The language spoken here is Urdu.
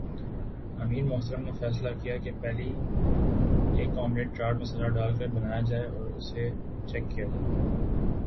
امیر محترم نے فیصلہ کیا کہ پہلے ایک آملیٹ چاٹ مصالحہ ڈال کر بنایا جائے اور اسے چیک کیا جائے